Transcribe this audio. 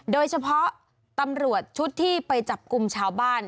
โดยเฉพาะตำรวจชุดที่ไปจับกลุ่มชาวบ้าน